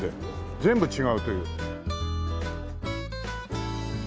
全部違うという。